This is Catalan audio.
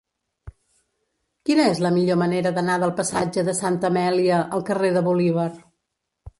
Quina és la millor manera d'anar del passatge de Santa Amèlia al carrer de Bolívar?